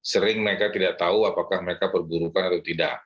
sering mereka tidak tahu apakah mereka perburukan atau tidak